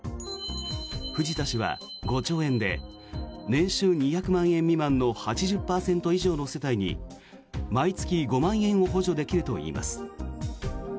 藤田氏は５兆円で年収２００万円未満の８０％以上の世帯に毎月５万円を補助できるといいます。